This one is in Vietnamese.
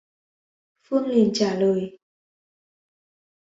Phương liền trả lời